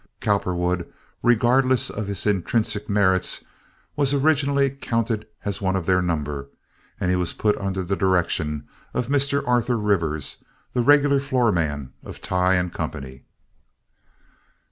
Cowperwood, regardless of his intrinsic merits, was originally counted one of their number, and he was put under the direction of Mr. Arthur Rivers, the regular floor man of Tighe & Company.